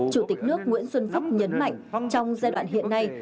chủ tịch nước nguyễn xuân phúc nhấn mạnh trong giai đoạn hiện nay